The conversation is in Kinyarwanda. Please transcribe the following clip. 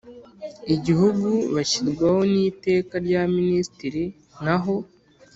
Igihugu Bashyirwaho N Iteka Rya Ministiri Naho